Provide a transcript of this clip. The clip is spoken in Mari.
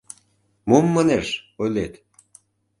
Мом, манеш, ойлет?